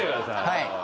はい。